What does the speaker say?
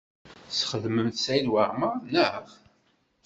Tesxedmemt Saɛid Waɛmaṛ, naɣ?